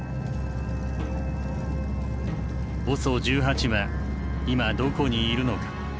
ＯＳＯ１８は今どこにいるのか。